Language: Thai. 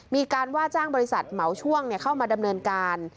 มีการว่าจ้างบริษัทเหมาช่วงเข้ามาดำเนินการ